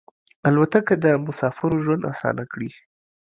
الوتکه د مسافرو ژوند اسانه کړی.